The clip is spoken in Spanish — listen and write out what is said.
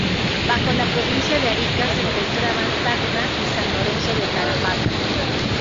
Bajo la Provincia de Arica se encontraban Tacna y San Lorenzo de Tarapacá.